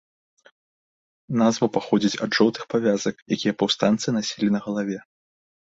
Назва паходзіць ад жоўтых павязак, якія паўстанцы насілі на галаве.